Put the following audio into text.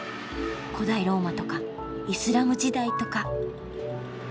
古代ローマとかイスラム時代とか。